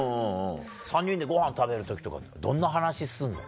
３人でごはん食べる時とかどんな話すんの？